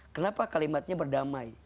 kenapa kalimatnya berdamai